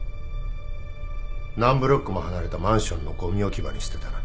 何ブロックも離れたマンションのごみ置き場に捨てたな。